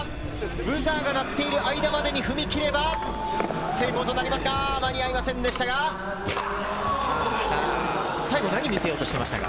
ブザーが鳴っている間までに踏み切れば成功となりますが、間に合いませんでしたが、最後、何に見せようとしてましたか？